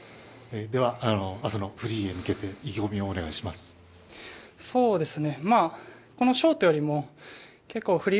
では、明日のフリーへ向けて意気込みをお願いします。